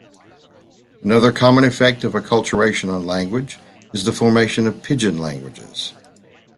Another common effect of acculturation on language is the formation of pidgin languages.